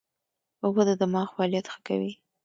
اوبه د دماغ فعالیت ښه کوي